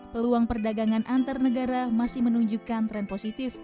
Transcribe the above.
peluang perdagangan antar negara masih menunjukkan tren positif